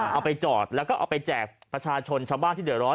เอาไปจอดแล้วก็เอาไปแจกประชาชนชาวบ้านที่เดือดร้อน